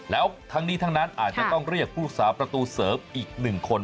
แล้วทั้งนี้ทั้งนั้นอาจจะต้องเรียกผู้สาประตูเสริมอีก๑คน